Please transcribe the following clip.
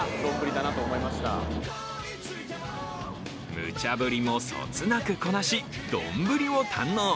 無茶ぶりもそつなくこなし、丼を堪能。